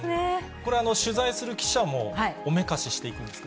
これ、取材する記者もおめかしして行くんですか？